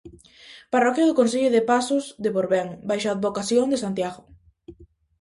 Parroquia do concello de Pazos de Borbén baixo a advocación de Santiago.